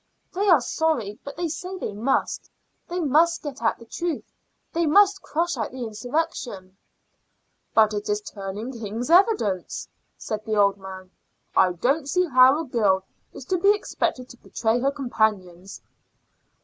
"They are sorry, but they say they must. They must get at the truth; they must crush out the insurrection." "But it is turning king's evidence," said the old man. "I don't see how a girl is to be expected to betray her companions."